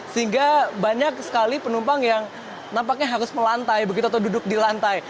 sehingga banyak sekali penumpang yang nampaknya harus melantai begitu atau duduk di lantai